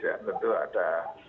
ya tentu ada